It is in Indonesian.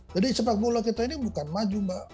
jadi sepak bola kita ini bukan maju mbak